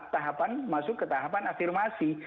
tahapan masuk ke tahapan afirmasi